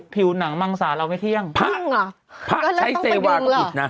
ผิวหนังมังสาเราไม่เที่ยงโอ้ใช้เซวาของตีดนะ